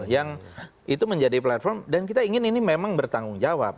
yang itu menjadi platform dan kita ingin ini memang bertanggung jawab